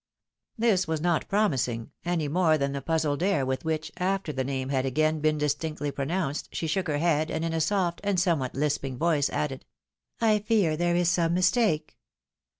" This was not promising, any more than the puzzled air with which, after the name had again been distinctly pronounced, she shook her head, and in a soft, and somewhat lisping voice added, " I fear there is some mistake."